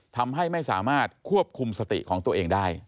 ทำให้ไม่สามารถควบคุมสติของตัวเองได้